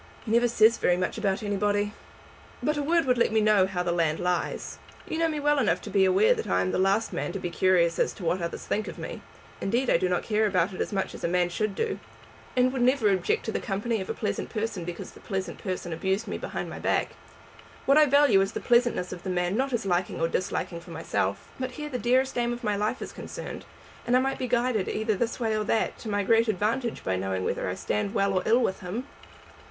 "He never says very much about anybody." "But a word would let me know how the land lies. You know me well enough to be aware that I am the last man to be curious as to what others think of me. Indeed I do not care about it as much as a man should do. I am utterly indifferent to the opinion of the world at large, and would never object to the company of a pleasant person because the pleasant person abused me behind my back. What I value is the pleasantness of the man and not his liking or disliking for myself. But here the dearest aim of my life is concerned, and I might be guided either this way or that, to my great advantage, by knowing whether I stand well or ill with him."